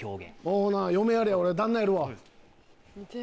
ほな嫁やれ俺旦那やるわ。